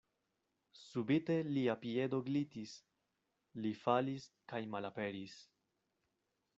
Subite lia piedo glitis; li falis kaj malaperis.